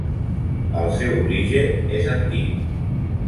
El seu origen és antic.